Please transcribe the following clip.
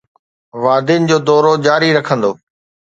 وادين جو دورو جاري رکندو